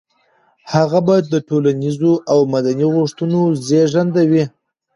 هغه به د ټولنيزو او مدني غوښتنو زېږنده وي.